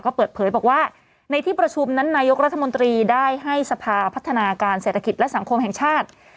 ก็เปิดเผยบอกว่าในที่ประชุมนั้นนายกรัฐมนตรีได้ให้สภาพัฒนาการเศรษฐกิจและสังคมแห่งชาติ